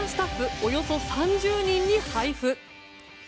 およそ３０人に配布。